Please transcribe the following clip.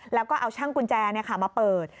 แล้วก็เอาช่างกุญแจมาเปิด